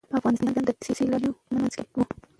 افغانستان د دې سیالیو په منځ کي و.